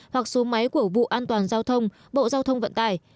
hoặc số máy của vụ an toàn giao thông bộ giao thông vận tải